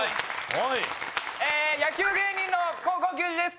野球芸人の孝行球児です。